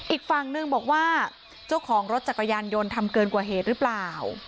อีกฝั่งหนึ่งบอกว่าเจ้าของรถจักรยานยนต์ทำเกินกว่าเหตุหรือเปล่า